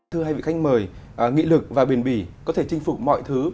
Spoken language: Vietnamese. thưa hai vị khách mời nghị lực và bền bỉ có thể chinh phục mọi thứ